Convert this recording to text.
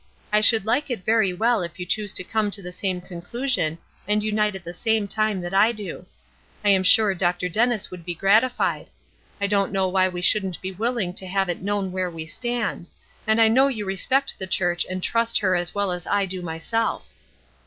I should like it very well if you choose to come to the same conclusion and unite at the same time that I do. I am sure Dr. Dennis would be gratified. I don't know why we shouldn't be willing to have it known where we stand; and I know you respect the church and trust her as well as I do myself.